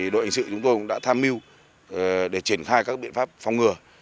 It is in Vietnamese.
đội hành sự chúng tôi đã tham mưu để triển khai các biện pháp phòng ngừa